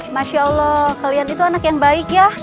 masya allah kalian itu anak yang baik ya